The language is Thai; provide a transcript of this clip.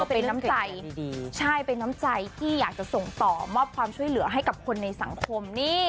เป็นน้ำใจดีใช่เป็นน้ำใจที่อยากจะส่งต่อมอบความช่วยเหลือให้กับคนในสังคมนี่